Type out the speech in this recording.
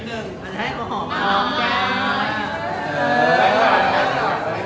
ก็คือเจ้าเม่าคืนนี้